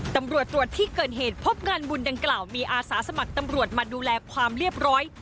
ตำรวจตรวจที่เกิดเหตุพบงานบุญดังกล่าวมีอาสาสมัครตำรวจมาดูแลความเรียบร้อย